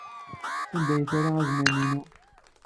Sanda ay terra azmam-inu?